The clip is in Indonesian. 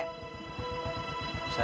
mau ganggu saya ya